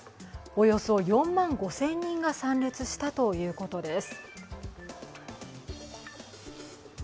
およそ４万５０００人が参列したということです。